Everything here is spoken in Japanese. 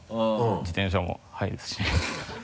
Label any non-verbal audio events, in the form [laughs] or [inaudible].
自転車も速いですしね [laughs]